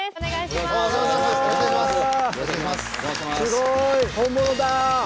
すごい本物だ。